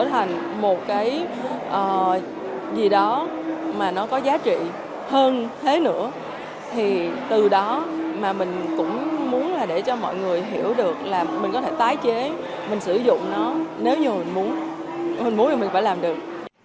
mình sử dụng nó nếu như mình muốn mình muốn thì mình phải làm được